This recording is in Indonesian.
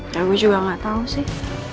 ya gue juga gak tahu sih